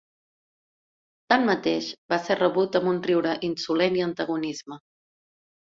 Tanmateix, va ser rebut amb un riure insolent i antagonisme.